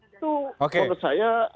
itu menurut saya